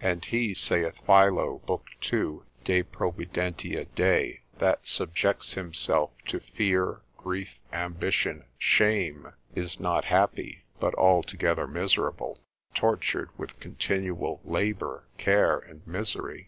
And he, saith Philo, lib. 2. de provid. dei, that subjects himself to fear, grief, ambition, shame, is not happy, but altogether miserable, tortured with continual labour, care, and misery.